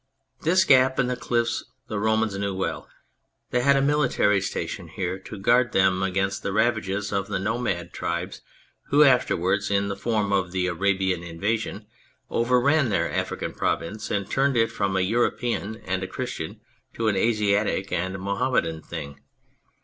This gap in the cliffs the Romans knew well. They had a military station here to guard them against the ravages of the nomad tribes who afterwards, in the form of the Arabian Invasion, overran their African province and turned it from an European and a Christian to an Asiatic and Mohammedan thing.